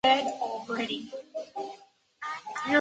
在长安去世。